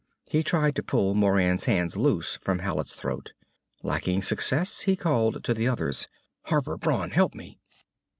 He tried to pull Moran's hands loose from Hallet's throat. Lacking success he called to the others. "Harper! Brawn! Help me!"